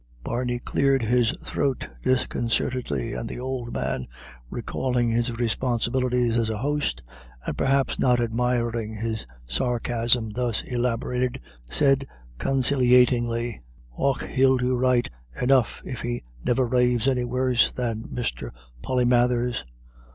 Barney cleared his throat disconcertedly, and the old man, recalling his responsibilities as a host, and perhaps not admiring his sarcasm thus elaborated, said conciliatingly, "Och, he'll do right enough if he niver raves any worse than Mr. Polymathers.